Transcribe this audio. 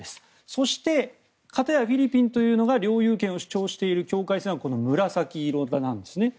そして、片やフィリピンというのが領有権を主張しているのは紫色のところですね。